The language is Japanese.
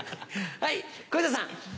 はい小遊三さん。